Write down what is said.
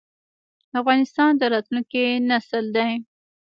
افغانستان د راتلونکي نسل دی؟